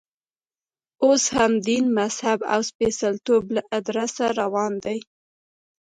اوس هم دین، مذهب او سپېڅلتوب له ادرسه روان دی.